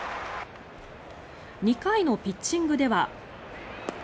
２回のピッチングでは。